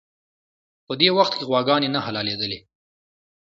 په دې وخت کې غواګانې نه حلالېدلې.